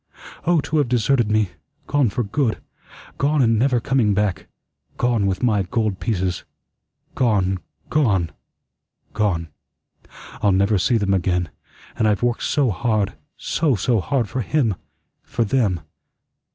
Oh, to have deserted me gone for good gone and never coming back gone with my gold pieces. Gone gone gone. I'll never see them again, and I've worked so hard, so so hard for him for them.